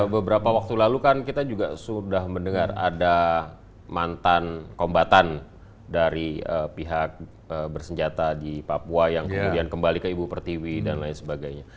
beberapa waktu lalu kan kita juga sudah mendengar ada mantan kombatan dari pihak bersenjata di papua yang kemudian kembali ke ibu pertiwi dan lain sebagainya